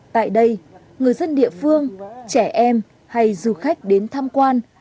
tại đây người dân địa phương trẻ em hay du khách đến tham quan